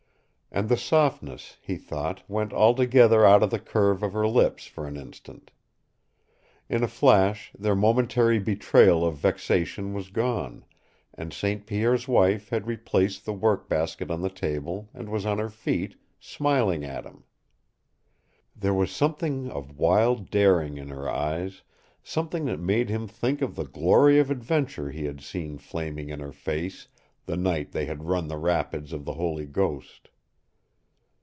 And the softness, he thought, went altogether out of the curve of her lips for an instant. In a flash their momentary betrayal of vexation was gone, and St. Pierre's wife had replaced the work basket on the table and was on her feet, smiling at him. There was something of wild daring in her eyes, something that made him think of the glory of adventure he had seen flaming in her face the night they had run the rapids of the Holy Ghost.